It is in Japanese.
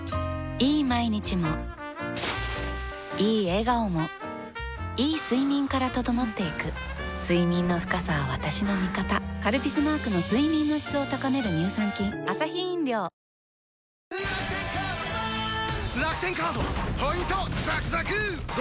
いい毎日もいい笑顔もいい睡眠から整っていく睡眠の深さは私の味方「カルピス」マークの睡眠の質を高める乳酸菌待ってました！